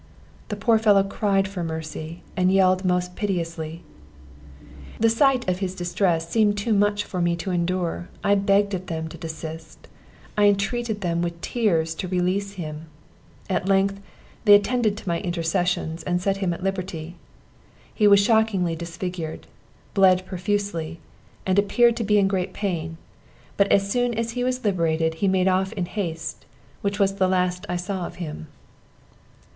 The poor fellow cried for mercy and yelled most piteously. The sight of his distress seemed too much for me to endure: I begged of them to desist I entreated them with tears to release him. At length they attended to my intercessions, and set him at liberty. He was shockingly disfigured, bled profusely, and appeared to be in great pain: but as soon as he was liberated he made off in haste, which was the last I saw of him.